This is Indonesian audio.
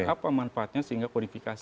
apa manfaatnya sehingga kodifikasi